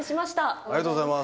ありがとうございます。